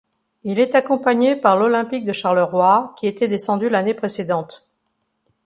Il est accompagné par l'Olympic de Charleroi qui était descendu l'année précédente.